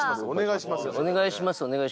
お願いしますよ。